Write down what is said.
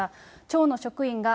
町の職員が、